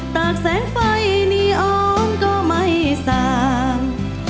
กแสงไฟนีออมก็ไม่สาง